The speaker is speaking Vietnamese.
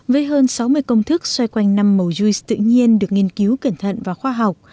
với hơn sáu mươi công thức xoay quanh năm màu chuice tự nhiên được nghiên cứu cẩn thận và khoa học